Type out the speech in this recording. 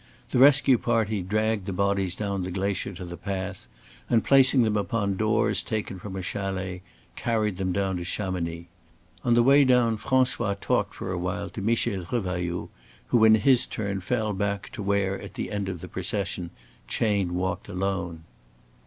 The rescue party dragged the bodies down the glacier to the path, and placing them upon doors taken from a chalet, carried them down to Chamonix. On the way down François talked for a while to Michel Revailloud, who in his turn fell back to where at the end of the procession Chayne walked alone.